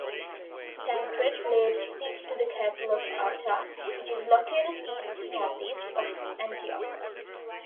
Tancred laid siege to the castle of Artah, which is located east-northeast of Antioch.